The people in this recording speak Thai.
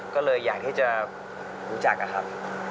ก็เลยอยากที่จะรู้จักนะครับ